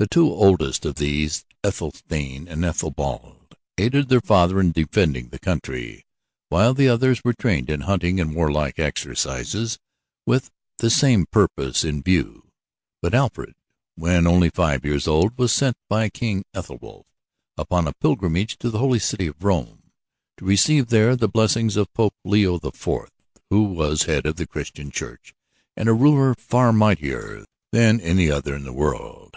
The two oldest of these, Ethelstane and Ethelbald, aided their father in defending the country, while the others were trained in hunting and warlike exercises with the same purpose in view, but Alfred, when only five years old, was sent by King Ethelwulf upon a pilgrimage to the holy city of Rome, to receive there the blessing of Pope Leo the Fourth, who was head of the Christian Church and a ruler far mightier than any other in the world.